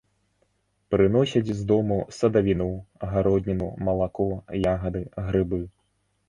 Прыносяць з дому садавіну, гародніну, малако, ягады, грыбы.